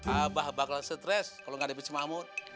abah bakal stress kalau gak ada cik mahmud